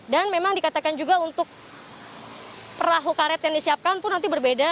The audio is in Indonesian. dan memang dikatakan juga untuk perahu karet yang disiapkan pun nanti berbeda